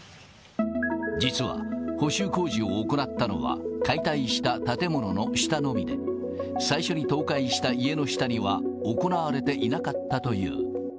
実は、補修工事を行ったのは、解体した建物の下のみで、最初に倒壊した家の下には、行われていなかったという。